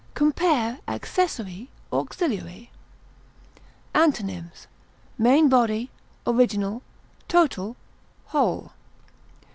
Compare ACCESSORY; AUXILIARY. Antonyms: main body, original, total, whole.